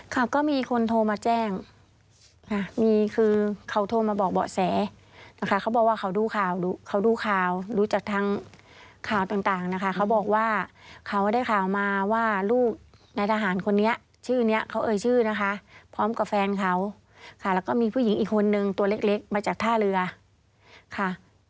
ค่ะก็มีคนโทรมาแจ้งค่ะมีคือเขาโทรมาบอกเบาะแสนะคะเขาบอกว่าเขาดูข่าวเขาดูข่าวรู้จักทางข่าวต่างนะคะเขาบอกว่าเขาได้ข่าวมาว่าลูกนายทหารคนนี้ชื่อนี้เขาเอ่ยชื่อนะคะพร้อมกับแฟนเขาค่ะแล้วก็มีผู้หญิงอีกคนนึงตัวเล็กมาจากท่าเรือค่ะ